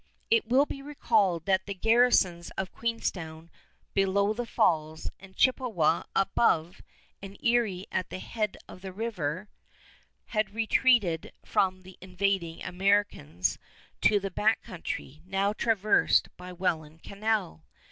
It will be recalled that the garrisons of Queenston below the Falls, and Chippewa above, and Erie at the head of the river, had retreated from the invading Americans to the Back Country now traversed by Welland Canal.